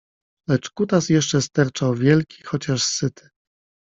Lecz kutas jeszcze sterczał, wielki, chociaż syty.